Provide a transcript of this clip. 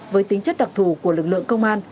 với tính chất đặc thù của lực lượng công an